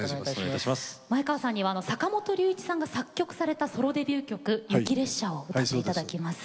前川さんには坂本龍一さんが作曲されたソロデビュー曲「雪列車」を歌っていただきます。